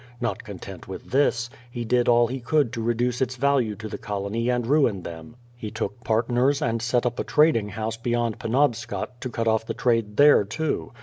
Not content with this, he did all he could to reduce its value to the colony and ruin them; he took partners, and set up a trading house beyond Penobscot, to cut oflF the trade there too.